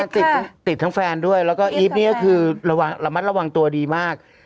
ติดทั้งแฟนด้วยแล้วก็อีฟนี่ก็คือระมัดระวังตัวดีมาก